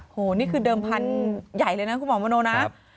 โอ้โหนี่คือเดิมพันธุ์ใหญ่เลยนะคุณหมอมโนนะ